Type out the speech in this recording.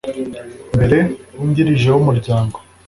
mbere wungirije w umuryango